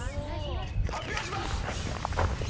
発表します！